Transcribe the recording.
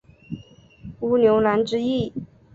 乌牛栏之役。